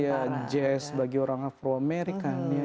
ya seperti jazz bagi orang afro amerikanya